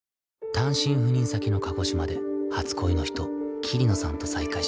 単身赴任先の鹿児島で初恋の人桐野さんと再会し